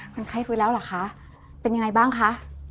มันไข้ฟื้นแล้วเหรอคะเป็นยังไงบ้างคะ